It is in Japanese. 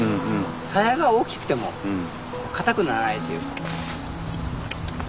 サヤが大きくても固くならないというか。